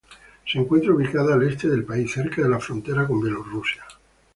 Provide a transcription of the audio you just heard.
Se encuentra ubicada al este del país, cerca de la frontera con Bielorrusia.